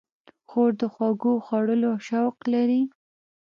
خور د خوږو خوړلو شوق لري.